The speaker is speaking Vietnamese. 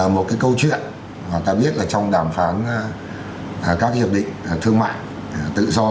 một cái câu chuyện mà ta biết là trong đàm phán các hiệp định thương mại tự do